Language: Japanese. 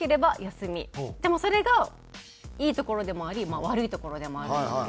でもそれがいいところでもあり悪いところでもあるんですけど。